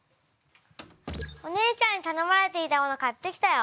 お姉ちゃんにたのまれていたもの買ってきたよ。